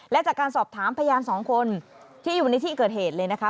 และจากการสอบถามพยานสองคนที่อยู่ในที่เกิดเหตุเลยนะคะ